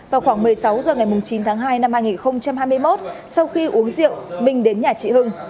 vào khoảng một mươi sáu h ngày chín tháng hai năm hai nghìn hai mươi một sau khi uống rượu minh đến nhà chị hưng